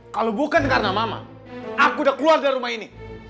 kalau bukan karena mama aku udah keluar dari rumah ini